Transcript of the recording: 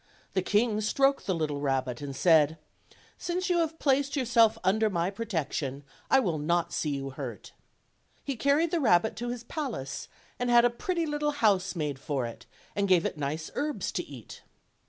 The king stroked the little rabbit and said: "Since you have placed your self under my protection I will not see you hurt." He carried the rabbit to his palace and had a pretty little house made for it, and gave it nice herbs to eat.